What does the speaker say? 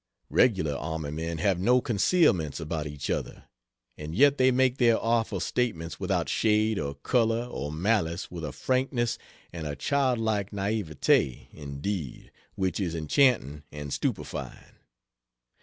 Regular army men have no concealments about each other; and yet they make their awful statements without shade or color or malice with a frankness and a child like naivety, indeed, which is enchanting and stupefying.